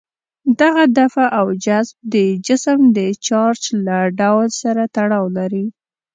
دغه دفع او جذب د جسم د چارج له ډول سره تړاو لري.